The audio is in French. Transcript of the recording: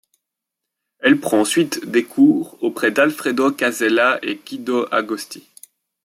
Elle prend ensuite des cours auprès d'Alfredo Casella et Guido Agosti.